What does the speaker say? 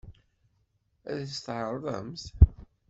Ad as-t-tɛeṛḍemt?